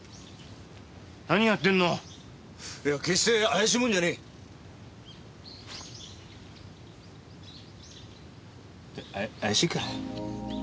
何やってんの？いやけっして怪しいもんじゃねえ。って怪しいか。